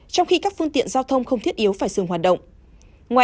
trong khi các phương tiện giao thông không thiết yếu phải dừng hoạt động